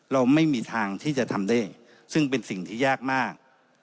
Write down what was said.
เราไม่มีทางที่จะทำได้ซึ่งเป็นสิ่งที่ยากมาก